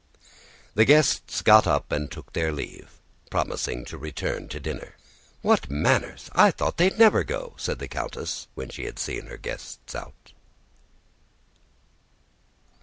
The guests got up and took their leave, promising to return to dinner. "What manners! I thought they would never go," said the countess, when she had seen her guests out.